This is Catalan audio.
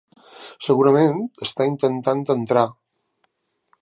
Segurament està intentant entrar.